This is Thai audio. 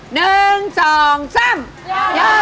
หนึ่งสองซ้ำยาดมนุษย์ป้า